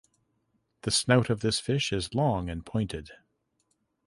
The snout of this fish is long and pointed.